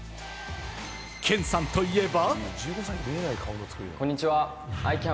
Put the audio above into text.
ケンさんといえば。